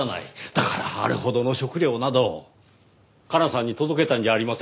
だからあれほどの食料などを加奈さんに届けたんじゃありませんか？